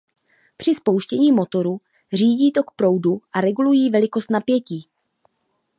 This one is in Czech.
Při spouštění motoru řídí tok proudu a regulují velikost napětí.